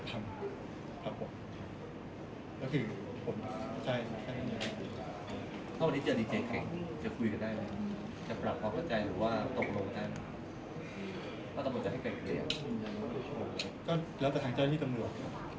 ก็ถึงเราจะยอมความ